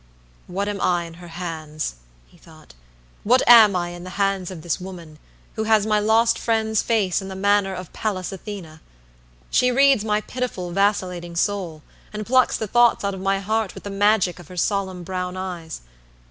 "What am I in her hands?" he thought. "What am I in the hands of this woman, who has my lost friend's face and the manner of Pallas Athene. She reads my pitiful, vacillating soul, and plucks the thoughts out of my heart with the magic of her solemn brown eyes.